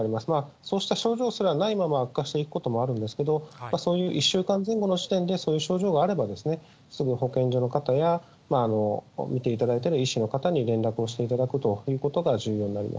そうした症状すらないまま悪化していくこともあるんですけど、そういう１週間前後の時点でそういう症状があれば、すぐ保健所の方や、診ていただいている医師の方に連絡をしていただくということが重